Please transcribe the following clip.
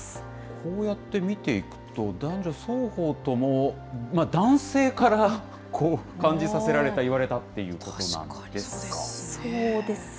こうやって見ていくと、男女双方とも、男性から感じさせられた、言われたっていうことなんですか。